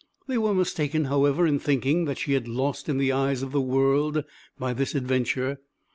They were mistaken, however, in thinking that she had lost in the eyes of the world by this adventure.